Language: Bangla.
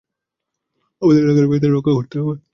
আমাদের এলাকার মেয়েদের রক্ষা করতে হবে।